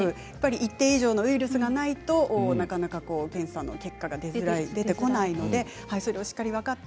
一定以上のウイルスがないとなかなか検査の結果が出てこないのでそれをしっかり分かって